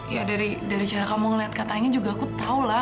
ya dari cara kamu ngeliat katanya juga aku tahu lah